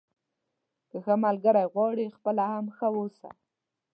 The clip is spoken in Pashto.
که ښه ملګری غواړئ خپله هم ښه واوسه.